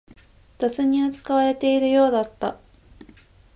雑に扱われているようだった